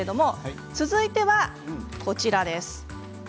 続いてはこちらです。